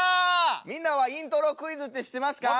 みんなはイントロクイズって知ってますか？